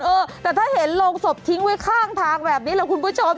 เออแต่ถ้าเห็นโรงศพทิ้งไว้ข้างทางแบบนี้แหละคุณผู้ชม